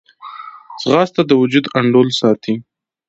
ځغاسته د وجود انډول ساتي